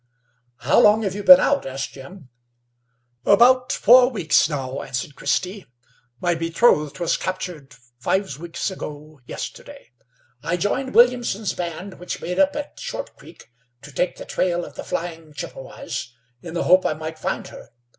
"How long have you been out?" asked Jim. "About four weeks now," answered Christy. "My betrothed was captured five weeks ago yesterday. I joined Williamson's band, which made up at Short Creek to take the trail of the flying Chippewas, in the hope I might find her.